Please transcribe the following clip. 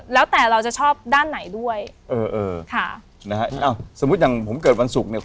แล้วแต่เราจะชอบด้านไหนด้วยเออเออค่ะนะฮะอ้าวสมมุติอย่างผมเกิดวันศุกร์เนี่ย